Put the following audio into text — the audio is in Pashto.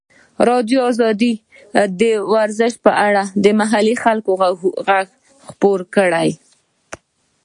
ازادي راډیو د ورزش په اړه د محلي خلکو غږ خپور کړی.